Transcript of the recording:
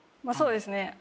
まあそうですね